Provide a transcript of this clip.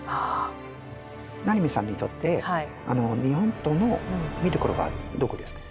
七海さんにとって日本刀の見どころはどこですか？